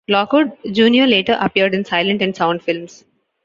Lockwood, Junior later appeared in silent and sound films.